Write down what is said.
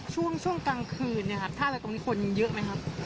ช่วงกลางคืนท่าเรือตรงนี้คนยังเยอะไหมครับ